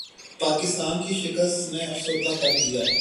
پاکستان کی شکست نے افسردہ کردیا تھا